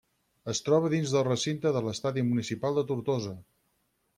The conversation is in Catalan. Es troba dins del recinte de l'Estadi Municipal de Tortosa.